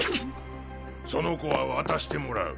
その子は渡してもらう。